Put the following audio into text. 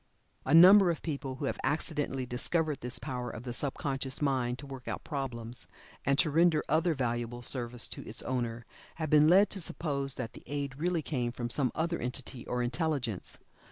A number of people who have accidentally discovered this power of the sub conscious mind to work out problems, and to render other valuable service to its owner, have been led to suppose that the aid really came from some other entity or intelligence.